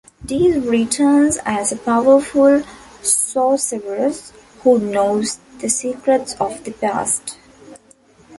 Deis returns as a powerful sorceress who knows the secrets of the past.